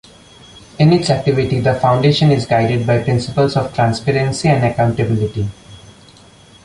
In its activity, the Foundation is guided by principles of transparency and accountability.